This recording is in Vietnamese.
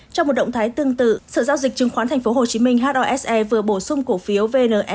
trong một động thái tương tự sở giao dịch chứng khoán tp hcm hose vừa bổ sung cổ phiếu vne